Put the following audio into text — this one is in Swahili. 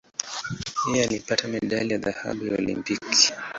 Yeye alipata medali ya dhahabu ya Olimpiki.